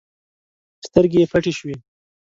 سترګې يې پټې شوې.